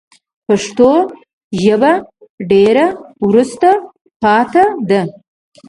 پښتو ژبه ډېره وروسته پاته ده